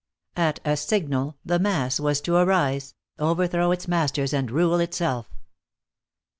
At a signal the mass was to arise, overthrow its masters and rule itself.